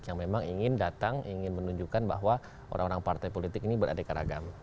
yang memang ingin datang ingin menunjukkan bahwa orang orang partai politik ini beradeka ragam